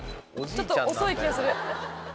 ちょっと遅い気がする。